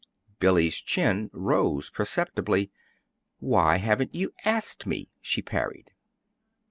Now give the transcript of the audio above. Billy's chin rose perceptibly. "Why haven't you asked me?" she parried.